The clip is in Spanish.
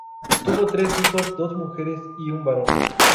Tuvo tres hijos: dos mujeres y un varón.